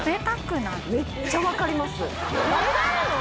めっちゃ分かります分かるの？